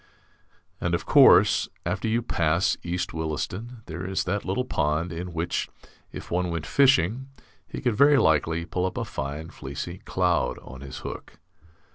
And, of course, after you pass East Williston there is that little pond in which, if one went fishing, he could very likely pull up a fine fleecy cloud on his hook.